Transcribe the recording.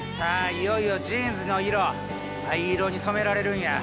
いよいよジーンズの色藍色に染められるんや！